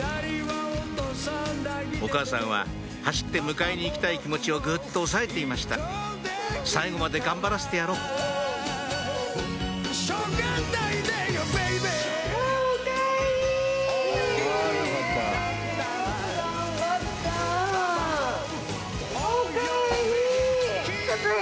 お母さんは走って迎えに行きたい気持ちをぐっと抑えていました「最後まで頑張らせてやろう」おかえり！